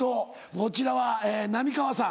こちらは浪川さん。